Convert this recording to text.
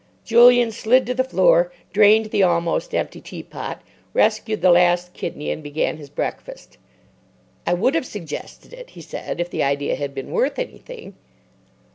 Julian slid to the floor, drained the almost empty teapot, rescued the last kidney, and began his breakfast. "I would have suggested it," he said, "if the idea had been worth anything."